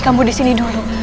kamu disini dulu